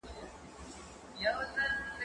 زه به اوږده موده باغ ته تللي وم!.